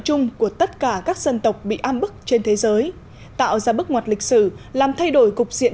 chung của tất cả các dân tộc bị am bức trên thế giới tạo ra bức ngoặt lịch sử làm thay đổi cục diện